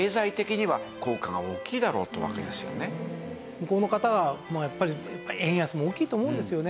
向こうの方はやっぱり円安も大きいと思うんですよね。